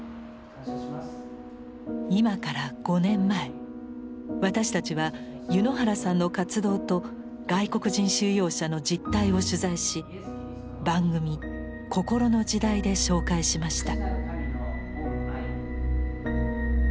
今から５年前私たちは柚之原さんの活動と外国人収容者の実態を取材し番組「こころの時代」で紹介しました。